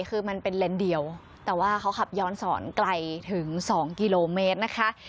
คือมันเป็นเลนส์เดียวแต่ว่าเขาขับย้อนสอนไกลถึง๒กิโลเมตรนะคะ